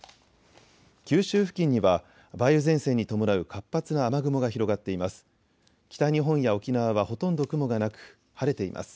九州付近には梅雨前線に伴う活発な雨雲が広がっています。